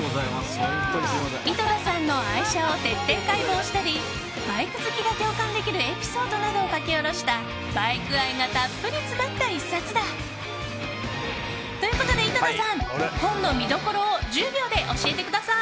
井戸田さんの愛車を徹底解剖したりバイク好きが共感できるエピソードなどを書き下ろしたバイク愛がたっぷり詰まった１冊だ。ということで、井戸田さん本の見どころを１０秒で教えてください。